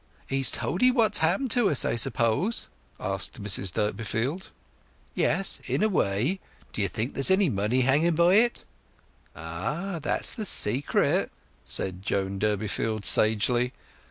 "He's told 'ee what's happened to us, I suppose?" asked Mrs Durbeyfield. "Yes—in a way. D'ye think there's any money hanging by it?" "Ah, that's the secret," said Joan Durbeyfield sagely.